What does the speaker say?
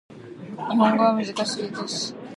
日本語は難しいです